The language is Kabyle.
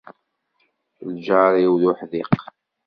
Lğar-is, d uḥdiq.